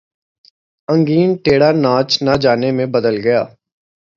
انگن ٹیڑھا ناچ نہ جانے میں بدل گیا